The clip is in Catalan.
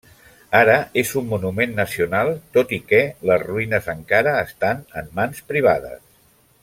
Ara, és un monument nacional, tot i que les ruïnes encara estan en mans privades.